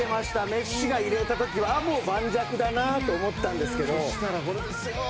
メッシが入れた時はもう、盤石だなと思ったんですけど。